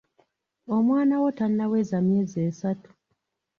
Omwana wo tannaweza myezi esatu.